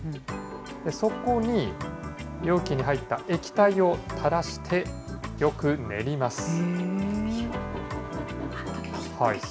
そこに、容器に入った液体をたらしてよく練ります。